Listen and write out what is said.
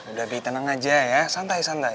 udah kayak tenang aja ya santai santai